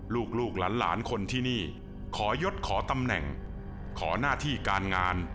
ลูกหลานคนที่นี่ขอยดขอตำแหน่งขอหน้าที่การงาน